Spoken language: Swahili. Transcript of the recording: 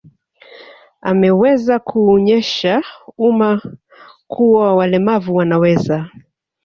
Ameweza kuuonyesha umma kuwa walemavu wanaweza